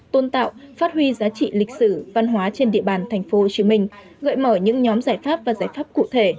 tôn tạo phát huy giá trị lịch sử văn hóa trên địa bàn tp hcm gợi mở những nhóm giải pháp và giải pháp cụ thể